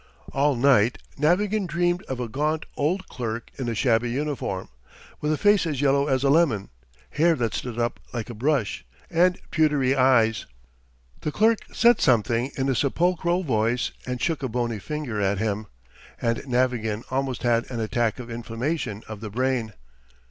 ... All night Navagin dreamed of a gaunt old clerk in a shabby uniform, with a face as yellow as a lemon, hair that stood up like a brush, and pewtery eyes; the clerk said something in a sepulchral voice and shook a bony finger at him. And Navagin almost had an attack of inflammation of the brain.